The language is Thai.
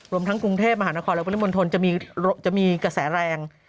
รวมทั้งกรุงเทพมหานครและปริมณฑลจะมีกระแสแรง